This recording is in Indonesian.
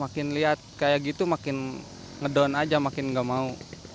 makin lihat kayak gitu makin ngedown aja makin nggak mau